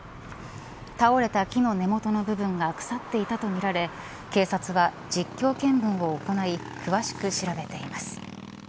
倒れた木の根本の部分が腐っていたとみられ警察は実況見分を行い詳しく調べています。